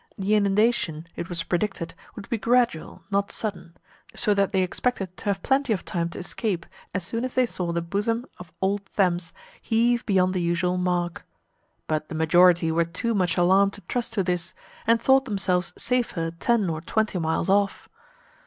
The inundation, it was predicted, would be gradual, not sudden; so that they expected to have plenty of time to escape as soon as they saw the bosom of old Thames heave beyond the usual mark. But the majority were too much alarmed to trust to this, and thought themselves safer ten or twenty miles off.